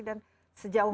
dan sejauh mana